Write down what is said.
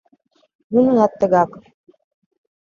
Нунынат тыгак.